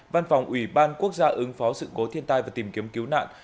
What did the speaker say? văn phòng ủy ban quốc gia ứng phó sự cố thiên tai và tìm kiếm cứu nạn